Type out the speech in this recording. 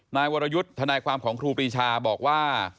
นายวรยุทธ์ทนายความของครูปรีชาบอกว่า